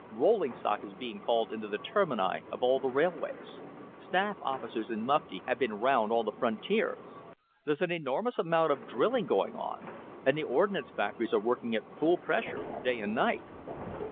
Rolling stock is being called into the termini of all the railways. Staff officers in mufti have been round all the frontiers. There's an enormous amount of drilling going on, and the ordnance factories are working at full pressure, day and night."